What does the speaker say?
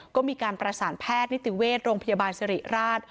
ก็มีการประสานแพทย์นิติเวชโรงพยาบาลสิริราช